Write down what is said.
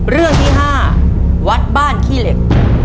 เรื่องที่๕วัดบ้านขี้เหล็ก